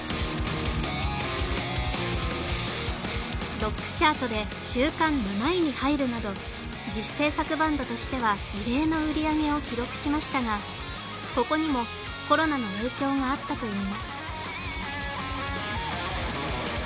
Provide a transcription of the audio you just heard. ロックチャートで週間７位に入るなど自主制作バンドとしては異例の売り上げを記録しましたがここにもコロナの影響があったといいます